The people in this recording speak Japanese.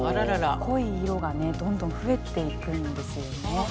濃い色がねどんどん増えていくんですよね。